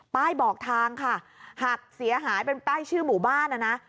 บอกทางค่ะหักเสียหายเป็นป้ายชื่อหมู่บ้านนะนะ